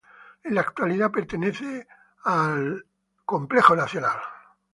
En la actualidad, pertenece a la "National Trust".